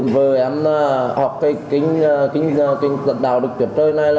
vừa em học cái kinh dận đạo được kiểm tra hôm nay là